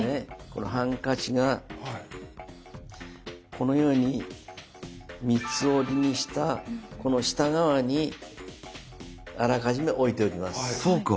このハンカチがこのように三つ折りにしたこの下側にあらかじめ置いておきます。